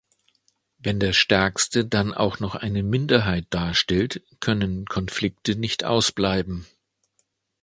Wenn der Stärkste dann auch noch eine Minderheit darstellt, können Konflikte nicht ausbleiben.